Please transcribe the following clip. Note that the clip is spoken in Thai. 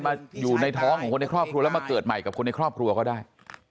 มาอยู่ในท้องของคนในครอบครัวแล้วมาเกิดใหม่กับคนในครอบครัวก็ได้